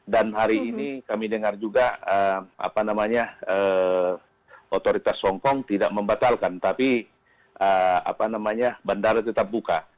dan hari ini kami dengar juga apa namanya otoritas hongkong tidak membatalkan tapi apa namanya bandara tetap buka